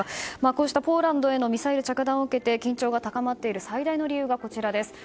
こうしたポーランドへのミサイル着弾を受けて緊張が高まっている最大の理由がこちらです。